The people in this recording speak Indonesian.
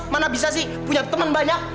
mana bisa sih punya teman banyak